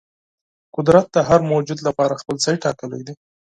قدرت د هر موجود لپاره خپل ځای ټاکلی دی.